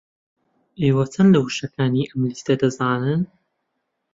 ئێوە چەند لە وشەکانی ئەم لیستە دەزانن؟